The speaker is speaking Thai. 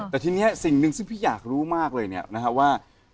แต่ทีนี้สิ่งหนึ่งซึ่งพี่อยากรู้มากเลยเนี่ยนะฮะว่า